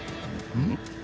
うん？